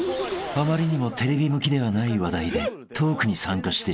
［あまりにもテレビ向きではない話題でトークに参加してしまい］